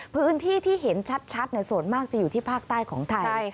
พื้นที่ที่เห็นชัดส่วนมากจะอยู่ที่ภาคใต้ของไทย